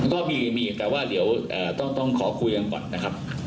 ก็มีแต่ว่าเดี๋ยวต้องขอคุยกันก่อนนะครับ